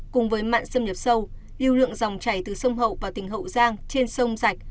cùng với mặn xâm nhập sâu lưu lượng dòng chảy từ sông hậu vào tỉnh hậu giang trên sông sạch